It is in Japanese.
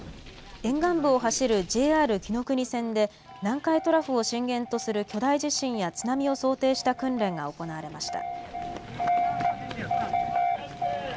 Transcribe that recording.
沿岸部を走るＪＲきのくに線で、南海トラフを震源とする巨大地震や津波を想定した訓練が行われました。